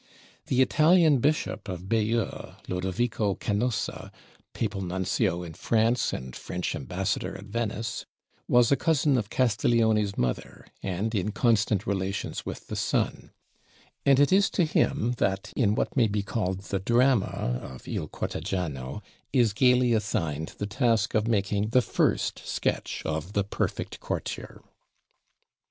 The Italian Bishop of Bayeux, Ludovico Canossa, papal nuncio in France and French ambassador at Venice, was a cousin of Castiglione's mother and in constant relations with the son; and it is to him that in what may be called the "drama" of 'Il Cortegiano' is gayly assigned the task of making the first sketch of "the perfect courtier".